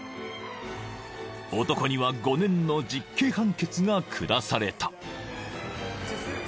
［男には５年の実刑判決が下された］